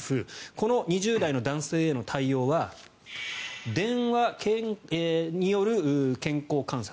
この２０代の男性への対応は電話による健康観察